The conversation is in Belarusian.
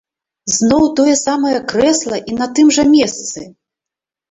Зноў тое самае крэсла і на тым жа месцы!